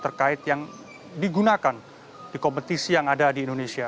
terkait yang digunakan di kompetisi yang ada di indonesia